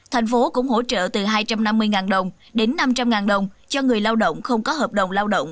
thành phố cũng hỗ trợ từ hai trăm năm mươi đồng đến năm trăm linh đồng cho người lao động không có hợp đồng lao động